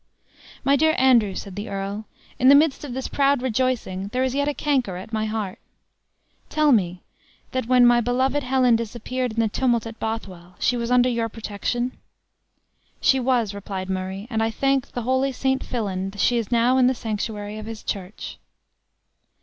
"My dear Andrew," said the earl, "in the midst of this proud rejoicing there is yet a canker at my heart. Tell me, that when my beloved Helen disappeared in the tumult at Bothwell, she was under your protection?" "She was," replied Murray; "and I thank the holy St. Fillan, she is now in the sanctuary of his church."